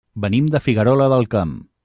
Venim de Figuerola del Camp.